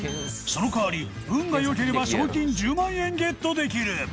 その代わり運が良ければ賞金１０万円ゲットできる